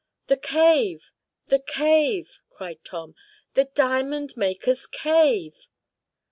"The cave! The cave!" cried Tom. "The diamond makers' cave!"